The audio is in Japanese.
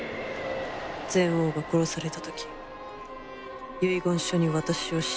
前王が殺された時遺言書に私を指名するとあった。